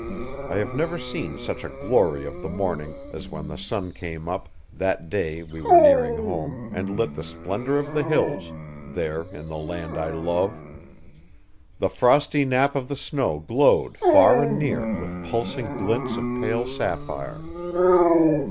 I have never seen such a glory of the morning as when the sun came up, that day we were nearing home, and lit the splendour of the hills, there in the land I love. The frosty nap of the snow glowed far and near with pulsing glints of pale sapphire.